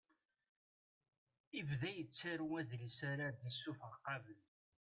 Ibda yettaru adlis ara d-isuffeɣ qabel.